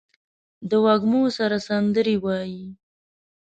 د وږمو سره سندرې وايي